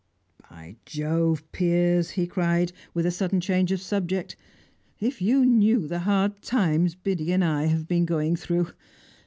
By Jove, Piers!" he cried, with sudden change of subject, "if you knew the hard times Biddy and I have been going through!